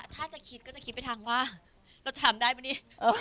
ถ้าจะคิดก็จะคิดไปทางว่าเราจะทำได้ป่ะเนี่ย